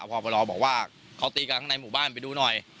พบรอบอกว่าเขาตีกันข้างในหมู่บ้านไปดูหน่อย